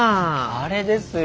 あれですよ。